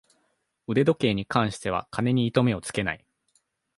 腕時計に関しては金に糸目をつけない